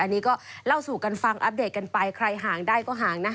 อันนี้ก็เล่าสู่กันฟังอัปเดตกันไปใครห่างได้ก็ห่างนะ